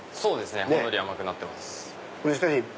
ほんのり甘くなってます。